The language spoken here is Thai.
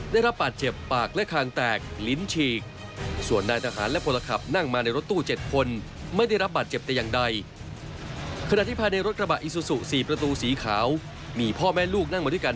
ได้รับบาดเจ็บปากและคางแตก